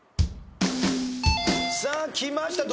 さあきました。